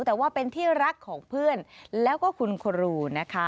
แต่ว่าเป็นที่รักของเพื่อนแล้วก็คุณครูนะคะ